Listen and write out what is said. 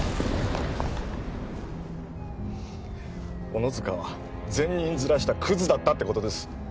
小野塚は善人面したクズだったってことです